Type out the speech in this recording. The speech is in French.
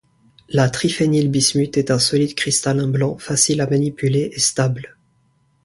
La triphénylbismuth est un solide cristallin blanc, facile à manipuler et stable.